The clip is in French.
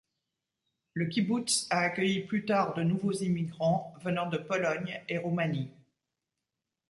Le kibboutz a accueilli plus tard de nouveaux immigrants venant de Pologne et Roumanie.